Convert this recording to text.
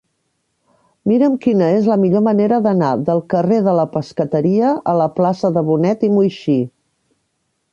Mira'm quina és la millor manera d'anar del carrer de la Pescateria a la plaça de Bonet i Muixí.